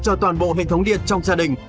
cho toàn bộ hệ thống điện trong gia đình